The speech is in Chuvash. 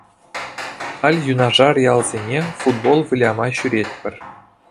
Халь юнашар ялсене футбол выляма ҫӳретпӗр.